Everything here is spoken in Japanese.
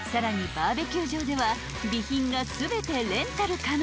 バーベキュー場では備品が全てレンタル可能］